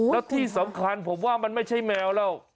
แล้วที่สำคัญผมว่ามันไม่ใช่แมวแล้ว